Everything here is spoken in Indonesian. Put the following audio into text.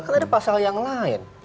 kan ada pasal yang lain